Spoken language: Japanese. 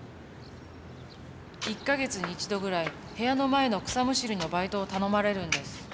１か月に１度ぐらい部屋の前の草むしりのバイトを頼まれるんです。